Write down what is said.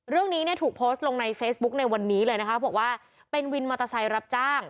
เรื่องนี้เนี่ยถูกโพสต์ลงในเฟซบุ๊คในวันนี้เลยนะคะบอกว่าเป็นวินมอเตอร์ไซค์รับจ้าง